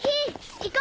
行こう！